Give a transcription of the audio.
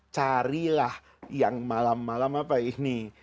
carilah yang malam malam apa ini